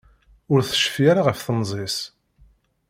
Ur tecfi ara ɣef temẓi-s.